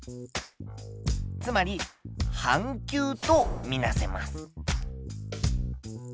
つまり半球とみなせます。